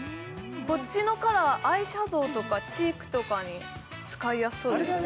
こっちのカラーアイシャドウとかチークとかに使いやすそうですね